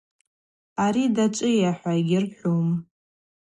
Ари дзачӏвыйахӏва йгьырхӏвум.